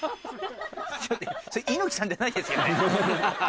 それ猪木さんじゃないですよね？